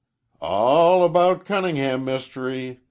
"A l l 'bout Cunn'n'ham myst'ry.